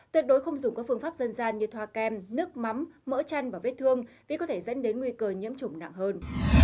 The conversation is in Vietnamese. tuyệt đối không dùng các phương pháp dân gian như thoa kem nước mắm mỡ chăn và vết thương vì có thể dẫn đến nguy cơ nhiễm chủng nặng hơn